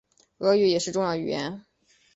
俄语也是重要语言。